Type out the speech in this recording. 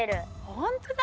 ほんとだ！